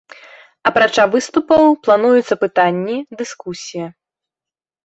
Апрача выступаў плануюцца пытанні, дыскусія.